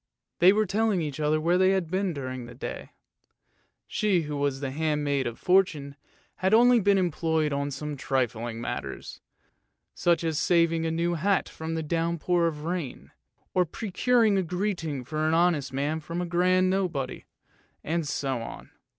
They were telling each other where they had been during the day; she who was the handmaid of Fortune had only been employed on some trifling matters, such as saving a new hat from a downpour of rain, and procuring a greeting for an honest man from a grand Nobody, and so on.